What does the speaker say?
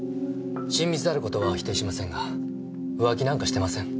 親密である事は否定しませんが浮気なんかしてません。